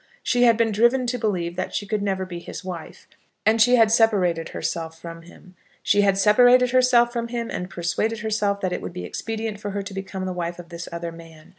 She had been driven to believe that she could never be his wife, and she had separated herself from him. She had separated herself from him, and persuaded herself that it would be expedient for her to become the wife of this other man.